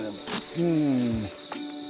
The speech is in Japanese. うん。